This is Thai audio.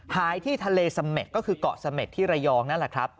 หายที่ทะเลเสม็ดก็คือเกาะเสม็ดที่ระยองนั่นแหละครับ